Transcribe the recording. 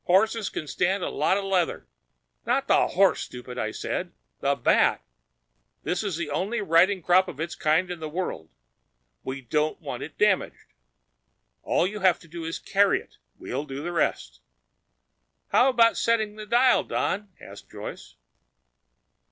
Horses can stand a lot of leather." "Not the horse, stupid," I said. "The bat. This is the only riding crop of its kind in the world. We don't want it damaged. All you have to do is carry it. We'll do the rest." "How about setting the dial, Don?" asked Joyce.